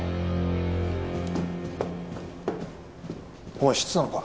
お前知ってたのか？